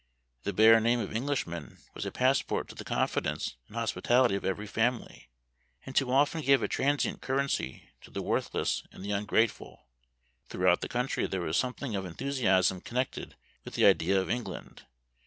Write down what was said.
The bare name of Englishman was a passport to the confidence and hospitality of every family, and too often gave a transient currency to the worthless and the ungrateful. Throughout the country, there was something of enthusiasm connected with the idea of England.